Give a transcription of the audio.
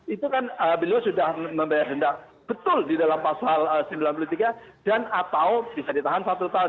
itu kan beliau sudah membayar hendak betul di dalam pasal sembilan puluh tiga dan atau bisa ditahan satu tahun